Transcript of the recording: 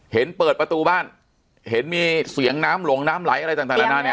เห็นเปิดประตูบ้านเห็นมีเสียงใหล้อะไรต่างต่าง